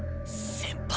先輩。